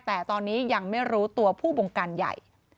แต่ตอนนี้ยังไม่รู้ตัวผู้บงการใหญ่